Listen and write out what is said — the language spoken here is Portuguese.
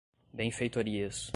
benfeitorias